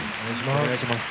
お願いします。